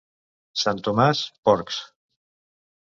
Sant Tomàs, porcs.